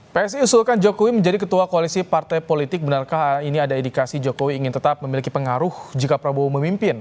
psi usulkan jokowi menjadi ketua koalisi partai politik benarkah ini ada indikasi jokowi ingin tetap memiliki pengaruh jika prabowo memimpin